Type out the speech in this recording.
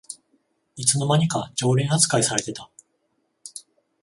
いつの間にか常連あつかいされてた